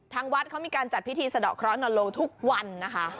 ทางวัดเขามีการจัดพิธีสะดอกเคราะหนโลงทุกวันนะคะ